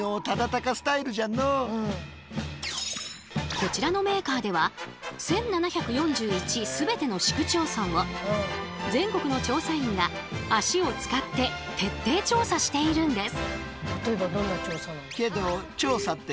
こちらのメーカーでは１，７４１全ての市区町村を全国の調査員が足を使って徹底調査しているんです。